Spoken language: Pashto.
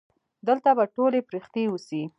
دلته به ټولې پرښتې اوسي.